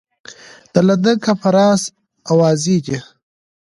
د لندن کنفرانس اوازې دي.